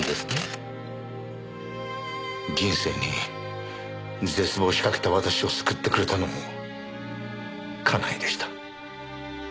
人生に絶望しかけた私を救ってくれたのも佳苗でした。